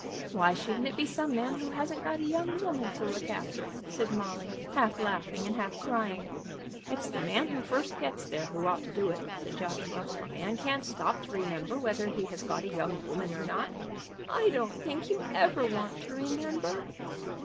"Why shouldn't it be some man who hasn't got a young woman to look after?" said Molly, half laughing and half crying. "It's the man who first gets there who ought to do it," said Joshua. "A man can't stop to remember whether he has got a young woman or not." "I don't think you ever want to remember."